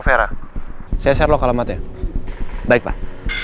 fera saya share lo kalamatnya baiklah